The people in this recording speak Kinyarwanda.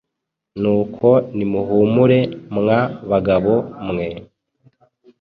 Nuko nimuhumure mwa bagabo mwe,